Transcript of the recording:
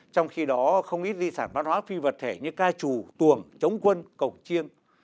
trong khi đó không ít di sản văn hóa phi vật thể như ca trù tuồng chống quân cổng chiêng